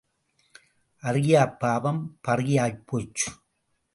அறியாப் பாவம் பறியாய்ப் போச்சு.